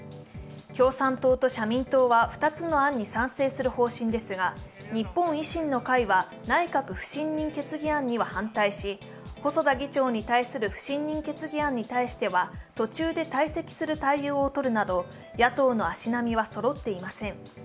共産党と社民党は２つの案に賛成する方針ですが日本維新の会は内閣不信任決議案には反対し細田議長に対する不信任決議案に対しては途中で退席する対応をとるなど野党の足並みはそろっていません。